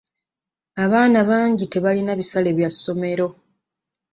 Abaana bangi tebalina bisale bya ssomero.